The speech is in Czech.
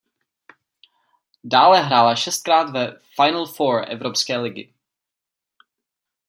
Dále hrála šestkrát ve "Final Four" Evropské ligy.